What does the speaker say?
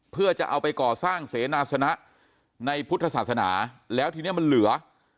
เพื่อจะเอาไปก่อสร้างเสนาสนะในพุทธศาสนาแล้วทีนี้มันเหลือ